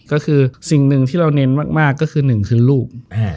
ก็คือสิ่งหนึ่งที่เราเน้นมากก็คือหนึ่งคือลูก